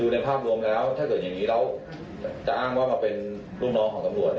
ในภาพรวมแล้วถ้าเกิดอย่างนี้แล้วจะอ้างว่ามาเป็นลูกน้องของตำรวจ